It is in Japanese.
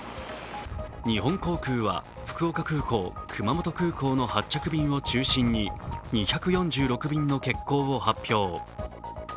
日本航空は、福岡空港、熊本空港の発着便を中心に２４６便の欠航を発表。